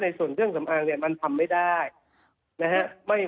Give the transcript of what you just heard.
ในส่วนเรื่องสำอางมันทำไม่ได้